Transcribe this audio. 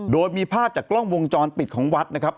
โดยมีภาพจากกล้องวงจรปิดของวัดนะครับ